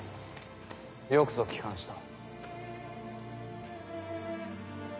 よくぞ帰還した。